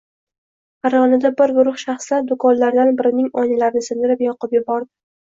Farg‘onada bir guruh shaxslar do‘konlardan birining oynalarini sidirib, yoqib yubordi